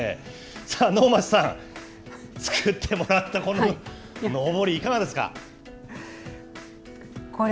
さあ、能町さん、作ってもらったこののぼり、これ、